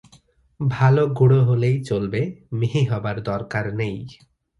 ভালো গুঁড়ো হলেই চলবে, মিহি হবার দরকার নেই।